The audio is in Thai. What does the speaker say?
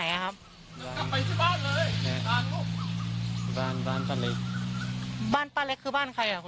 อยู่ที่บ้านไหนนะครับ